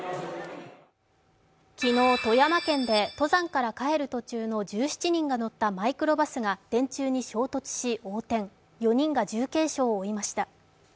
昨日、富山県で登山から帰る途中の１７人が乗ったマイクロバスが電柱に衝突し、横転４人が重軽傷を負いました。